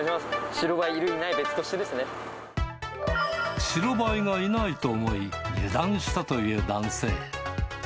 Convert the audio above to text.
白バイいる、白バイがいないと思い、油断したという男性。